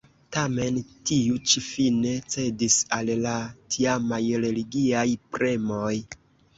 Tamen, tiu ĉi fine cedis al la tiamaj religiaj premoj.